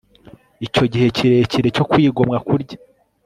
Icyo gihe kirekire cyo kwigomwa kurya